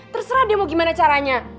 terserah dia mau gimana caranya